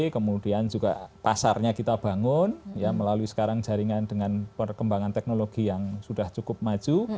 kemudian juga pasarnya kita bangun melalui sekarang jaringan dengan perkembangan teknologi yang sudah cukup maju